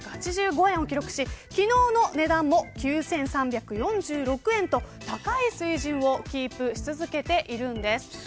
昨日の値段も９３４６円と高い水準をキープし続けているんです。